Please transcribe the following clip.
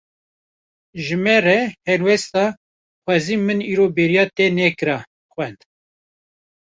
Ji me re helbesta "Xwezî min îro bêriya te nekira" xwend